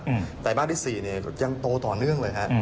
เรื่องไตรมาสที่สี่ก็ยังโตต่อเนื่อง